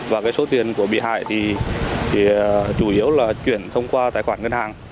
và cái số tiền của bị hại thì chủ yếu là chuyển thông qua tài khoản ngân hàng